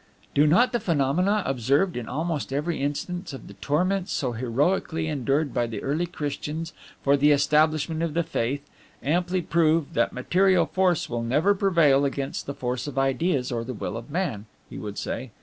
"Do not the phenomena observed in almost every instance of the torments so heroically endured by the early Christians for the establishment of the faith, amply prove that Material force will never prevail against the force of Ideas or the Will of man?" he would say.